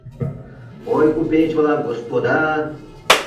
«Ой, купеч-влак, господа